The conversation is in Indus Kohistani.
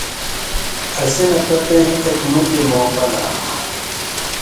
اَسی نہ پتَیں اېک مُتیۡ موقع لا